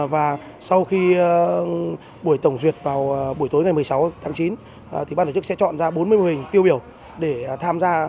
và sau khi buổi tổng duyệt vào buổi tối ngày một mươi sáu tháng chín thì ban tổ chức sẽ chọn ra bốn mươi mô hình tiêu biểu để tham gia